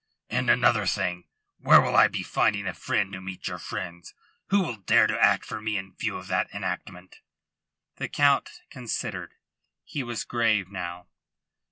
"And another thing. Where will I be finding a friend to meet your friends? Who will dare to act for me in view of that enactment?" The Count considered. He was grave now.